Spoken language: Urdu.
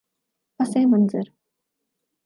پس منظر